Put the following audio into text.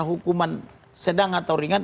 hukuman sedang atau ringan